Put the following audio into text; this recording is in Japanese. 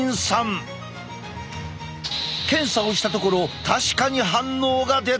検査をしたところ確かに反応が出た！